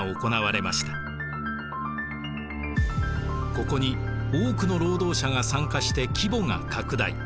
ここに多くの労働者が参加して規模が拡大。